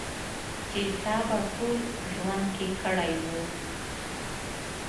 چې تا په ټول ژوند کې کړی و.